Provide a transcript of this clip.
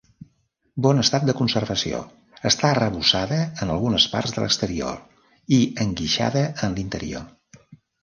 Bon estat de conservació, està arrebossada en algunes parts de l'exterior, i enguixada en l'interior.